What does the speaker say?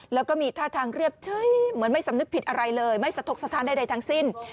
แล้วก็มีท่าทางเรียบเฉยเหมือนไม่สำนึกผิดอะไรเลยไม่สะทกสถานใดทั้งสิ้น